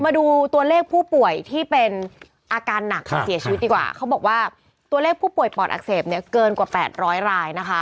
มาดูตัวเลขผู้ป่วยที่เป็นอาการหนักเสียชีวิตดีกว่าเขาบอกว่าตัวเลขผู้ป่วยปอดอักเสบเนี่ยเกินกว่า๘๐๐รายนะคะ